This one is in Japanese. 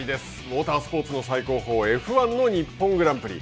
モータースポーツの最高峰Ｆ１の日本グランプリ。